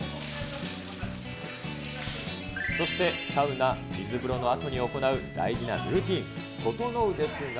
そしてサウナ、水風呂のあとに行う大事なルーティーン、ととのうですが。